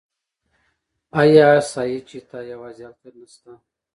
آیا اسیایي چیتا یوازې هلته نشته؟